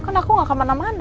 kan aku gak kemana mana